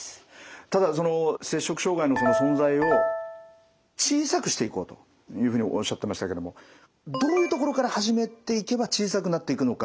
ただ摂食障害の存在を小さくしていこうというふうにおっしゃってましたけどもどういうところから始めていけば小さくなっていくのか。